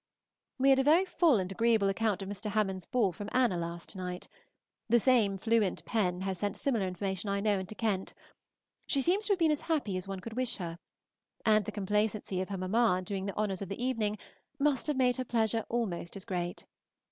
We had a very full and agreeable account of Mr. Hammond's ball from Anna last night; the same fluent pen has sent similar information, I know, into Kent. She seems to have been as happy as one could wish her, and the complacency of her mamma in doing the honors of the evening must have made her pleasure almost as great.